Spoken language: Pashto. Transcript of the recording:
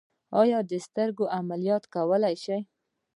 ایا زه سترګې عملیات کولی شم؟